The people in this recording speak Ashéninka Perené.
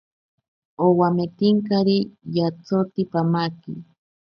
Owametinkari yatsoti pamaki.